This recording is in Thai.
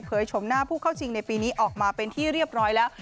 ชมหน้าผู้เข้าชิงในปีนี้ออกมาเป็นที่เรียบร้อยแล้ว